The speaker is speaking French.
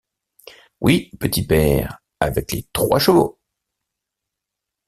Oui, petit père, avec les trois chevaux!